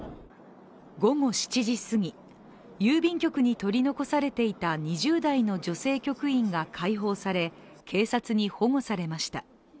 午後７時すぎ、郵便局に取り残されていた２０代の女性局員が解放され警察に保護されました。